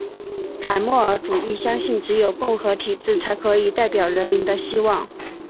凯末尔主义相信只有共和体制才可以代表人民的希望。